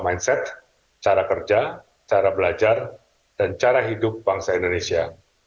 mindset cara kerja cara belajar dan cara hidup bangsa indonesia